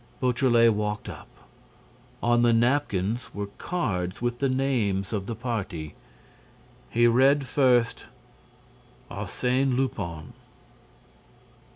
Beautrelet walked up. On the napkins were cards with the names of the party. He read first: "Arsène Lupin."